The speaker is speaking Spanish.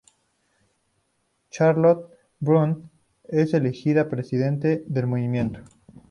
Charlotte Brun es elegida presidente del Movimiento.